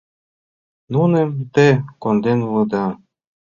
— Нуным те конден улыда?